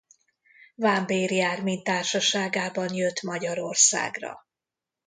Vámbéry Ármin társaságában jött Magyarországra.